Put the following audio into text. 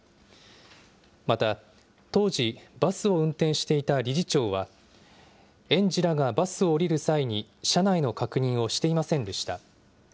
また、当時バスを運転していた理事長は、園児らがバスを降りる際に車内の確認をしていませんでした。